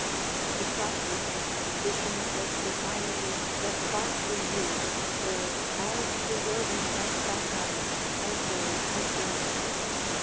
The classes and conditions of society that Barclay knew were as deserving of satire as those of Germany.